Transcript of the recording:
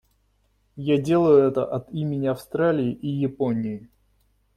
Я делаю это от имени Австралии и Японии.